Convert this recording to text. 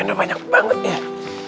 udah banyak banget deh